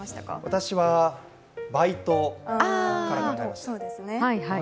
私はバイトから考えました。